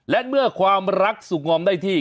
และเมื่อความรักสุขงอมได้ที่